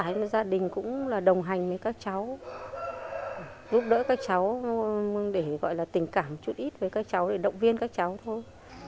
là gia đình cũng là đồng hành với các cháu giúp đỡ các cháu để gọi là tình cảm chút ít với các cháu để động viên các cháu thôi